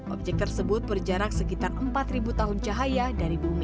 objek tersebut berjarak sekitar empat tahun cahaya dari bumi